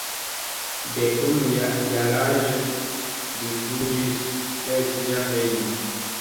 Dekunu jaraĝe li fuĝis el sia hejmo.